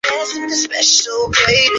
作决定的人还是你自己